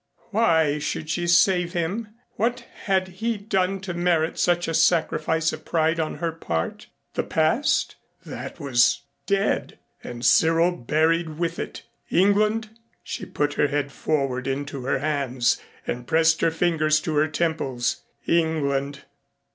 Why should she save him? What had he done to merit such a sacrifice of pride on her part. The past? That was dead and Cyril buried with it. England? She put her head forward into her hands and pressed her fingers to her temples. England!